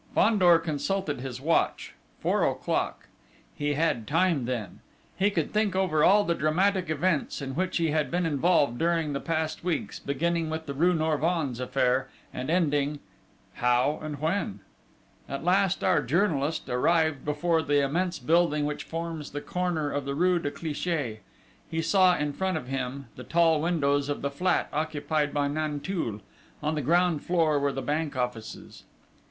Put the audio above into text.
Fandor consulted his watch four o'clock! He had time then! He could think over all the dramatic events in which he had been involved during the past weeks, beginning with the rue Norvins affair, and ending how, and when? At last, our journalist arrived before the immense building which forms the corner of the rue de Clichy. He saw, in front of him, the tall windows of the flat occupied by Nanteuil: on the ground floor were the bank offices.